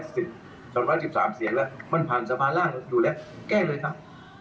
จนร้อยสิบสามเสียงเลยมันผ่านสะพานล่างดูแลแก้เลยครับ